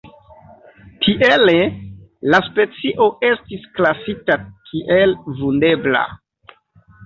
Tiele la specio estis klasita kiel vundebla.